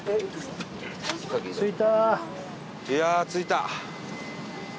いやあ着いた！